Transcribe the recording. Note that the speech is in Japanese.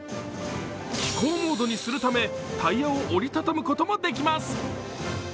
飛行モードにするためタイヤを折り畳むこともできます。